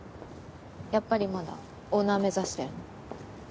やっぱりまだオーナー目指してんの？